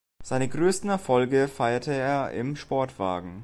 Seine größten Erfolge feierte er im Sportwagen.